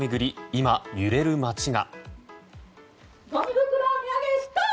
今、揺れる街が。